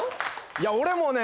いや俺もね